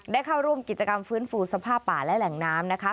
ได้เข้าร่วมกิจกรรมฟื้นฟูสภาพป่าและแหล่งน้ำนะคะ